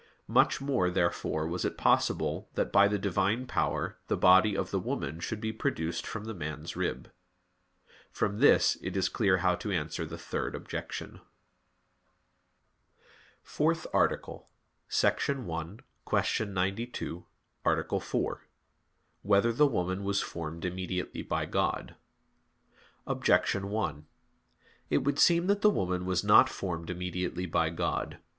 Much more, therefore, was it possible that by the Divine power the body of the woman should be produced from the man's rib. From this it is clear how to answer the third objection. _______________________ FOURTH ARTICLE [I, Q. 92, Art. 4] Whether the Woman Was Formed Immediately by God? Objection 1: It would seem that the woman was not formed immediately by God.